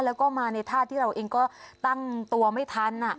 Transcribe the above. แล้วก็มาในท่าที่เราเองก็ตั้งตัวไม่ทัน